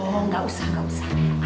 oh gak usah gak usah